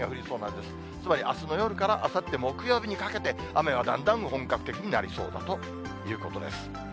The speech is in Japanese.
つまり、あすの夜からあさって木曜日にかけて、雨がだんだん本格的になりそうだということです。